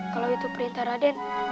kalau itu perintah raden